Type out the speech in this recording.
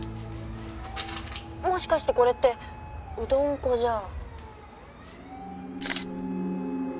もしかしてこれってうどん粉じゃ。